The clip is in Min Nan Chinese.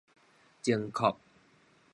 前擴